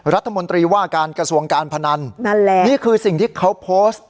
รัฐมนตรีว่าการกระทรวงการพนันนั่นแหละนี่คือสิ่งที่เขาโพสต์